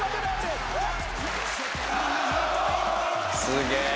「すげえ！」